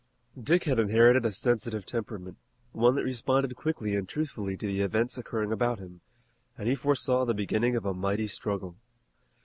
Dick had inherited a sensitive temperament, one that responded quickly and truthfully to the events occurring about him, and he foresaw the beginning of a mighty struggle.